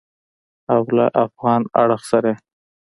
او له افغان اړخ سره یې